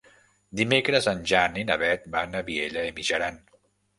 Dimecres en Jan i na Beth van a Vielha e Mijaran.